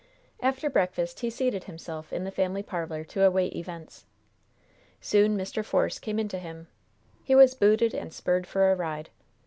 After breakfast he seated himself in the family parlor to await events. Soon Mr. Force came in to him. He was booted and spurred for a ride.